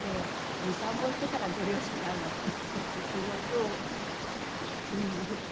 ２３本してからご両親に会うなんてすごく素敵。